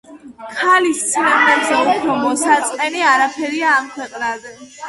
ქალის ცრემლებზე უფრო მოსაწყენი, არაფერია ამქვეყნად